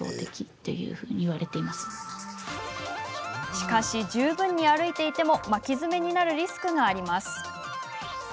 しかし、十分に歩いていても巻き爪になるリスクがあります。